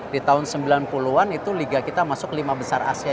di tahun sembilan puluh an itu liga kita masuk lima besar asia